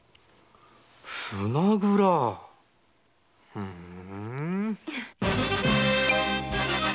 ふん。